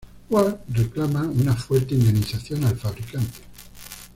Ward reclama una fuerte indemnización al fabricante.